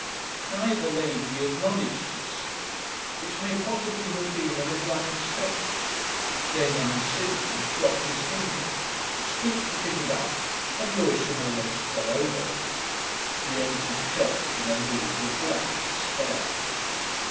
Neither lady acknowledged his salute, which may possibly have been a little unexpected. Then young Siddons dropped his hymn book; stooped to pick it up, and Lewisham almost fell over him.... He entered church in a mood of black despair.